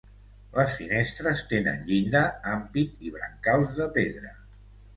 Les finestres tenen llinda, ampit i brancals de pedra.